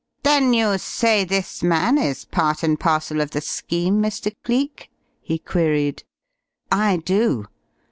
"Then you say this man is part and parcel of the scheme, Mr. Cleek?" he queried. "I do.